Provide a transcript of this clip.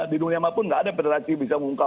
di dunia maupun tidak ada pederasi bisa mengungkap